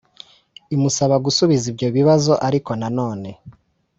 Imusaba gusubiza ibyo bibazo ariko na none